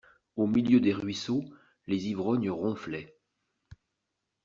Au milieu des ruisseaux, les ivrognes ronflaient.